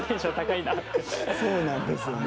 そうなんですよね。